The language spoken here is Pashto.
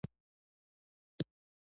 اوس غار ته نږدې سړک ختلی.